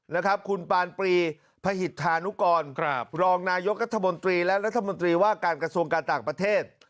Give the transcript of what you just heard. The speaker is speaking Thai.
นะครับคุณปานปรีพหิตธานุกรครับรองนายกรัฐมนตรีและรัฐมนตรีว่าการกระทรวงการต่างประเทศ